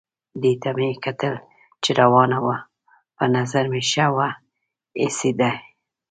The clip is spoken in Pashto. دې ته مې کتل چې روانه وه، په نظر مې ښه وه ایسېده.